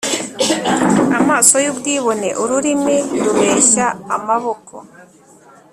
Amaso y ubwibone ururimi rubeshya Amaboko